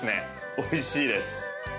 おいしいです。